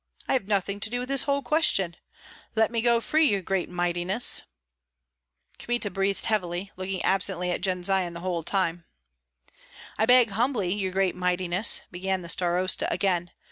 I have nothing to do with this whole question! Let me go free, your great mightiness " Kmita breathed heavily, looking absently at Jendzian all the time. "I beg humbly, your great mightiness," began the starosta again.